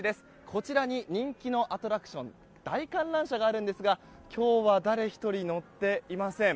こちらに人気のアトラクション大観覧車があるんですが今日は誰一人乗っていません。